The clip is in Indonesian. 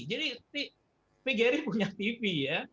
jadi pgri punya tv ya